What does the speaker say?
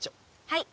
はい。